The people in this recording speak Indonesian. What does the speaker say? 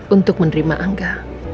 untuk menerima angga